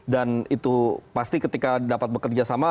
dan itu pasti ketika dapat bekerja sama